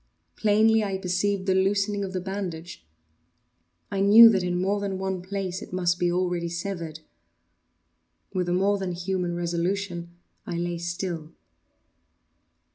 Plainly I perceived the loosening of the bandage. I knew that in more than one place it must be already severed. With a more than human resolution I lay still.